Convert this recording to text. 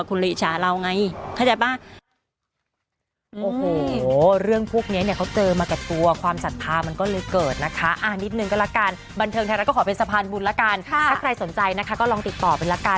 คุณเลยอิจฉาเราไงเข้าใจป่ะ